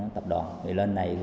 tập đoàn thì lên này